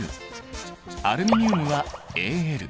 アルミニウムはＡｌ。